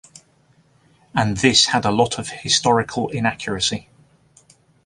And this had a lot of historical inaccuracy.